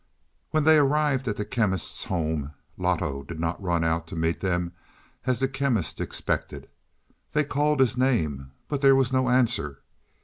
When they arrived at the Chemist's home Loto did not run out to meet them as the Chemist expected. They called his name, but there was no answer.